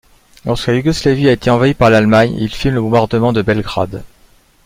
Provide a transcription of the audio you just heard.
Lorsque la Yougoslavie a été envahie par l’Allemagne, il filme le bombardement de Belgrade.